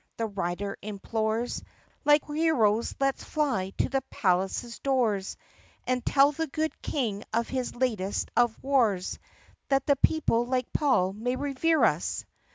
the rider implores; "Like heroes let 's fly to the palace's doors And tell the good King of this latest of wars That the people, like Paul, may Revere us